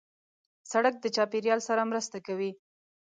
سړک د چاپېریال سره مرسته کوي.